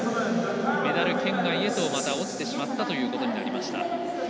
メダル圏外へと落ちてしまったということになりました。